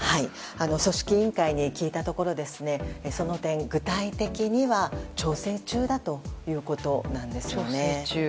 組織委員会に聞いたところその点、具体的には調整中だということです。